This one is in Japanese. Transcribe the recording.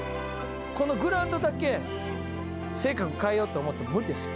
このグラウンドでだけ、性格変えようって思っても無理ですよ。